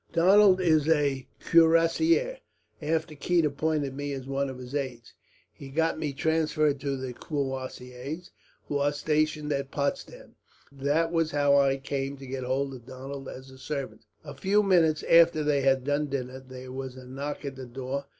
"Donald is a Cuirassier. After Keith appointed me as one of his aides, he got me transferred to the Cuirassiers, who are stationed at Potsdam. That was how I came to get hold of Donald as a servant." A few minutes after they had done dinner, there was a knock at the door.